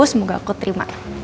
semoga aku terima